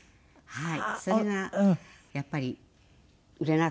はい。